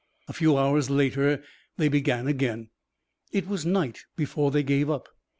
A few hours later they began again. It was night before they gave up.